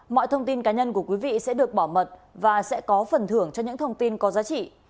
mọi thông tin cá nhân của quý vị sẽ được bảo mật và sẽ có phần thưởng cho những thông tin có giá trị